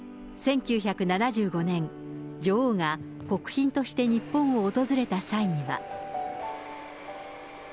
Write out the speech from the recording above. １９７５年、女王が国賓として日本を訪れた際には。